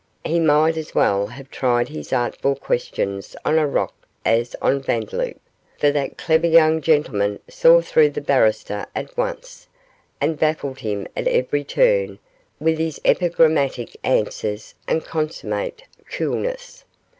He might as well have tried his artful questions on a rock as on Vandeloup, for that clever young gentleman saw through the barrister at once, and baffled him at every turn with his epigrammatic answers and consummate coolness.